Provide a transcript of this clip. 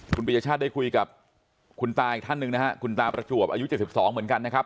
คุณปียชาติได้คุยกับคุณตาอีกท่านหนึ่งนะฮะคุณตาประจวบอายุ๗๒เหมือนกันนะครับ